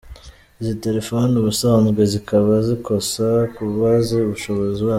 Izi telephone ubusanzwe zikaba zikosha ku bazi ubushobozi bwazo.